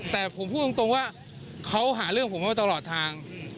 แต่ผมพูดตรงตรงว่าเขาหาเรื่องของผมไม่ได้ตลอดทางอืม